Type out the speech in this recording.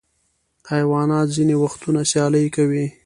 حیوانات ځینې وختونه سیالۍ کوي.